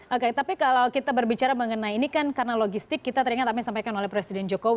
oke tapi kalau kita berbicara mengenai ini kan karena logistik kita teringat apa yang disampaikan oleh presiden jokowi